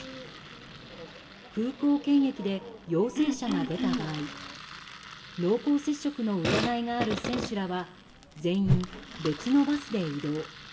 空港検疫で陽性者が出た場合濃厚接触の疑いがある選手らは全員別のバスで移動。